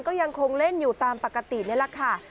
ก็ยังคงเล่นอยู่ตามปกตินี่แหละค่ะ